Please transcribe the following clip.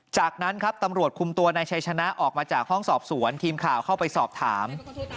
จากนั้นครับตำรวจคุมตัวนายชัยชนะออกมาจากห้องสอบสวนทีมข่าวเข้าไปสอบถาม